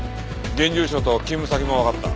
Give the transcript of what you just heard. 現住所と勤務先もわかった。